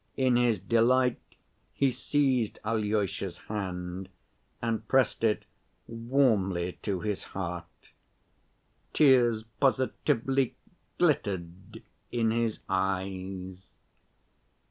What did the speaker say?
In his delight he seized Alyosha's hand and pressed it warmly to his heart. Tears positively glittered in his eyes.